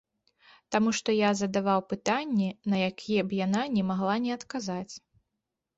Таму што я задаваў пытанні, на якія б яна не магла не адказаць.